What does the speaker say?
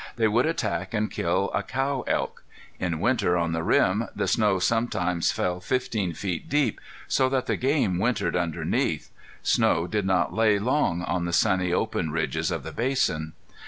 They would attack and kill a cow elk. In winter on the rim the snow sometimes fell fifteen feet deep, so that the game wintered underneath. Snow did not lay long on the sunny, open ridges of the basin.